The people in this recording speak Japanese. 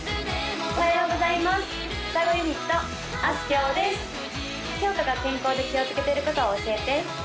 きょうかが健康で気をつけてることを教えて？